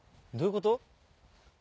どういうこと？